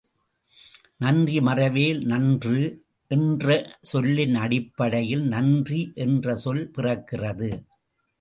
நன்றி மறவேல் நன்று என்ற சொல்லின் அடிப்படையில் நன்றி என்ற சொல் பிறக்கிறது.